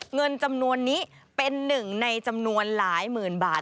เงินจำนวนนี้เป็นหนึ่งในจำนวนหลายหมื่นบาท